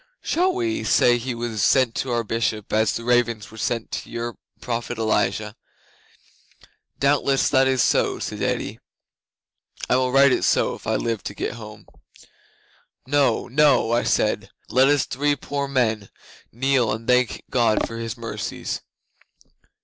"Shall we say he was sent to our Bishop as the ravens were sent to your prophet Elijah?" '"Doubtless that is so," said Eddi. "I will write it so if I live to get home." '"No no!" I said. "Let us three poor men kneel and thank God for His mercies."